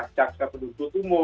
caksa penduduk umum